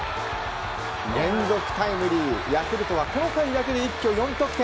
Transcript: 連続タイムリーヤクルトはこの回だけで一挙４得点。